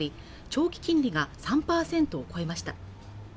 長期金利が３％を超えました